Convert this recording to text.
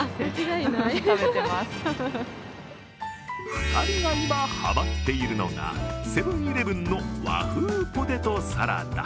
２人が今ハマっているのが、セブン−イレブンの和風ぽてとさらだ。